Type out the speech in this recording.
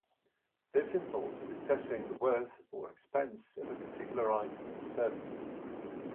This involves assessing the worth or expense of a particular item or service.